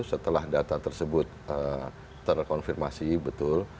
setelah data tersebut terkonfirmasi betul